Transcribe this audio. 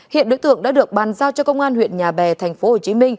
hiện đối tượng đã được bàn giao cho công an huyện nhà bè tp hcm